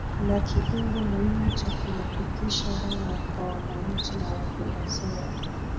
Na kiungo muhimu cha kuyafikisha haya kwa wananchi na watunga sera